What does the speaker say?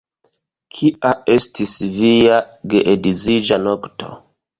Kia estis via geedziĝa nokto?